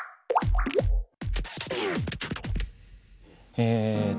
えっと